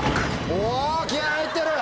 うお気合入ってる。